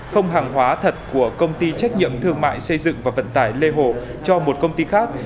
không hàng hóa thật của công ty trách nhiệm thương mại xây dựng và vận tải lê hồ cho một công ty khác